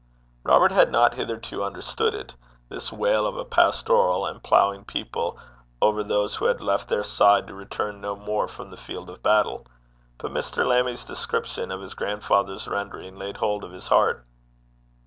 Robert had not hitherto understood it this wail of a pastoral and ploughing people over those who had left their side to return no more from the field of battle. But Mr. Lammie's description of his grandfather's rendering laid hold of his heart.